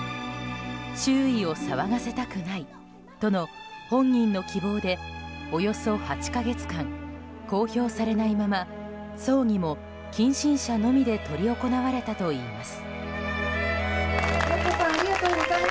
周囲を騒がせたくないとの本人の希望でおよそ８か月間公表されないまま葬儀も近親者のみで執り行われたといいます。